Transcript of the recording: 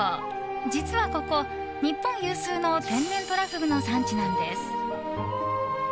実はここ、日本有数の天然トラフグの産地なんです。